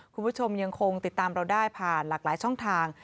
คุณผู้ชมยังคงติดตามเราได้ผ่านหลากหลายช่องทาง